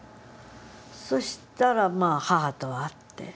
そしたらまあ母と会って。